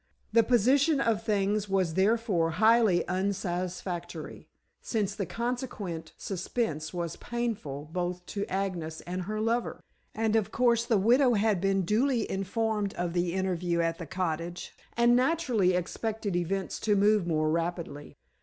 The position of things was therefore highly unsatisfactory, since the consequent suspense was painful both to Agnes and her lover. And of course the widow had been duly informed of the interview at the cottage, and naturally expected events to move more rapidly.